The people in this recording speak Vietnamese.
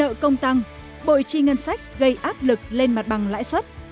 đối mặt nợ công tăng bội chi ngân sách gây áp lực lên mặt bằng lãi xuất